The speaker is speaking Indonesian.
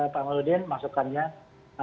pak amerudin maksudkannya